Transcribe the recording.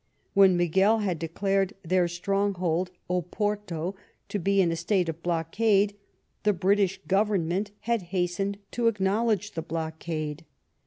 When Miguel had declared their stronghold, Oporto, to be in a state of blockade, the British Government had hastened to acknowledge the blockade.